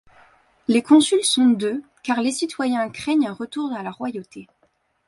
Les consuls sont deux car les citoyens craignaient un retour à la royauté.